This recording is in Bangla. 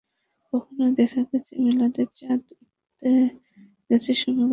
কখনো দেখা গেছে মিলাদের চাঁদা ওঠাতে গেছে সমীরণ আবার পুজোর চাঁদা মাসুক।